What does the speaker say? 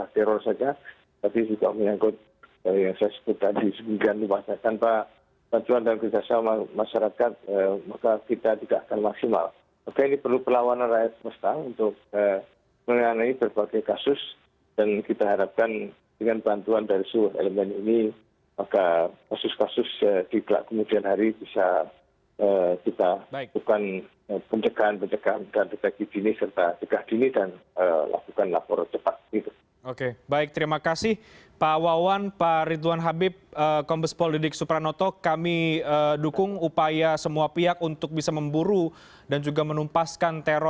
terima kasih pak